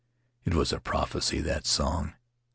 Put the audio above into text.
It was a prophecy, that song.